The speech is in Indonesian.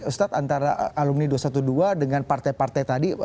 ustadz antara alumni dua ratus dua belas dengan partai partai tadi